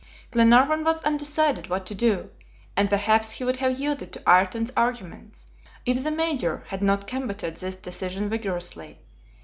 Glenarvan was undecided what to do, and perhaps he would have yielded to Ayrton's arguments, if the Major had not combated this decision vigorously.